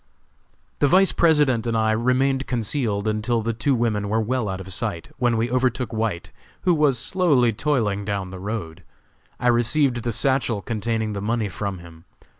The Vice President and I remained concealed until the two women were well out of sight, when we overtook White, who was slowly toiling down the road. I received the satchel containing the money from him.